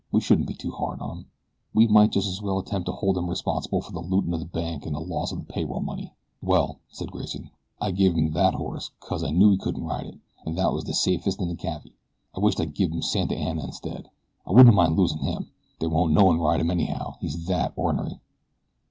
We shouldn't be too hard on him. We might just as well attempt to hold him responsible for the looting of the bank and the loss of the pay roll money." "Well," said Grayson, "I give him thet horse 'cause I knew he couldn't ride, an' thet was the safest horse in the cavvy. I wisht I'd given him Santa Anna instid I wouldn't a minded losin' him. There won't no one ride him anyhow he's thet ornery."